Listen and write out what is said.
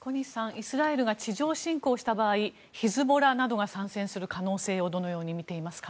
イスラエルが地上侵攻した場合ヒズボラなどが参戦する可能性をどのように見ていますか。